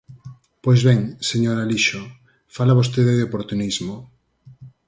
Pois ben, señor Alixo, fala vostede de oportunismo.